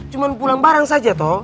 cuma pulang barang saja toh